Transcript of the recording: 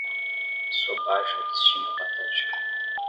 Sua baixa auto-estima é patética.